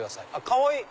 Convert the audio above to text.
かわいい！